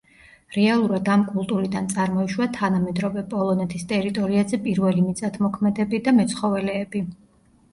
რეალურად ამ კულტურიდან წარმოიშვა თანამედროვე პოლონეთის ტერიტორიაზე პირველი მიწათმოქმედები და მეცხოველეები.